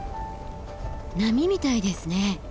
波みたいですね。